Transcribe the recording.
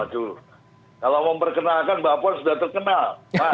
aduh kalau memperkenalkan mbak puan sudah terkenal